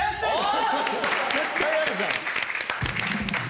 絶対あるじゃん。